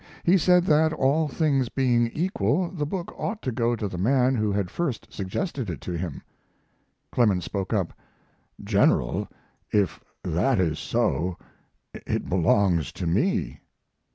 He said that, all things being equal, the book ought to go to the man who had first suggested it to him. Clemens spoke up: "General, if that is so, it belongs to me."